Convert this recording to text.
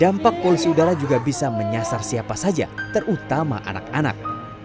dampak polusi udara juga bisa menyasar siapa saja terutama anak anak